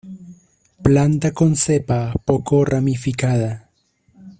Planta con cepa poco ramificada.